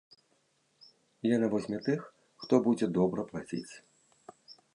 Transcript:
Яна возьме тых, хто будзе добра плаціць.